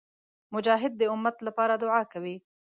مجاهد د امت لپاره دعا کوي.